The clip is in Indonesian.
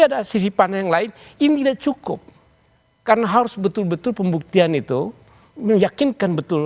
ada sisi pandang yang lain ini cukup karena harus betul betul pembuktian itu meyakinkan betul